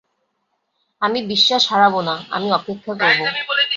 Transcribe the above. আমি বিশ্বাস হারাব না, আমি অপেক্ষা করব।